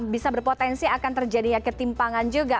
bisa berpotensi akan terjadinya ketimpangan juga